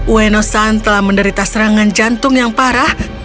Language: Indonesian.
ueno san telah menderita serangan jantung yang parah